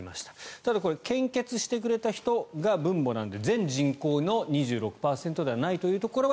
ただ、献血してくれた人が分母なので全人口の２６％ではないというところは